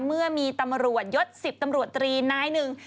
เมื่อมีตำรวจยศ๑๐ตำรวจตรีนายหนึ่ง